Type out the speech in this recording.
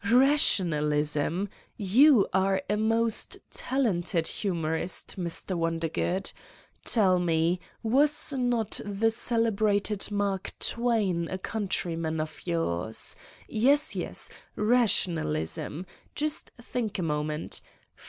"Rationalism! You are a most talented hu morist, Mr. Wondergood! Tell me, was not the celebrated Mark Twain a countryman of yours? Yes, yes! Rationalism! Just think a moment.